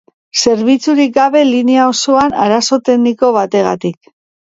Zerbitzurik gabe linea osoan arazo tekniko bategatik.